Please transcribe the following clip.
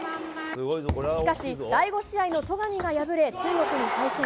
しかし、第５試合の戸上が敗れ、中国に敗戦。